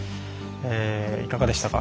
いかがでしたか？